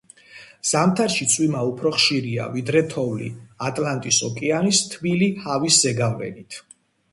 ზამთარში წვიმა უფრო ხშირია ვინემ თოვლი ატლანტის ოკეანის თბილი ჰავის ზეგავლენით.